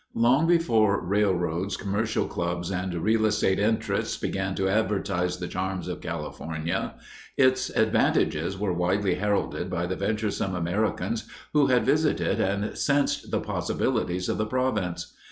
Long before railroads, commercial clubs, and real estate interests began to advertise the charms of California, its advantages were widely heralded by the venturesome Americans who had visited and sensed the possibilities of the province.